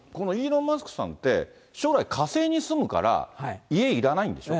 このイーロン・マスクさんって、将来、火星に住むから家いらないんでしょ。